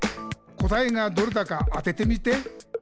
「こたえがどれだかあててみて」